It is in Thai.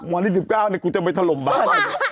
วันที่๑๙กูจะไปถล่มบ้าน